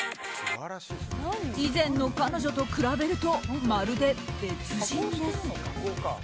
以前の彼女と比べるとまるで別人です。